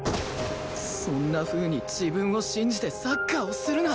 そんなふうに自分を信じてサッカーをするな